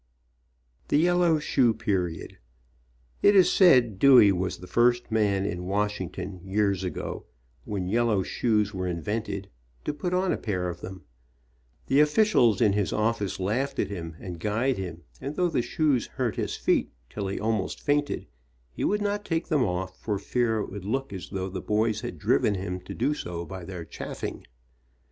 THE YELLOW SHOE PERIOD. It is said Dewey was the first man in Wash ington, years ago, when yellow shoes were in vented, to put on a pair of them. The officials in his office laughed at him and guyed him, and though the shoes hurt his feet till he almost fainted, he would not take them off for fear it would look as though the boys had driven him to do so by 34 THE YELLOW SHOE PERIOD their chaffing.